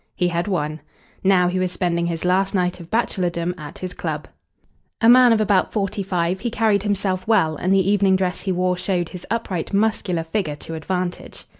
He had won. Now he was spending his last night of bachelordom at his club. A man of about forty five, he carried himself well and the evening dress he wore showed his upright muscular figure to advantage.